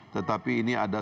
tetapi ini ada